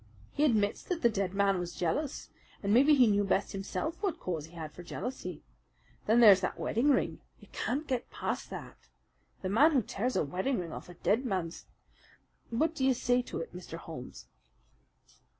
He admits that the dead man was jealous, and maybe he knew best himself what cause he had for jealousy. Then there's that wedding ring. You can't get past that. The man who tears a wedding ring off a dead man's What do you say to it, Mr. Holmes?"